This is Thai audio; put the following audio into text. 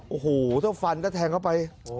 โอ้โหถ้าฟันก็แทงเข้าไป